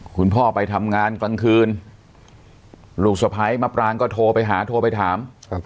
คุณพ่อไปทำงานกลางคืนลูกสะพ้ายมะปรางก็โทรไปหาโทรไปถาม